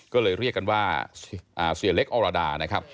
ก็เลยเรียกกันว่าเสียเล็กออรดา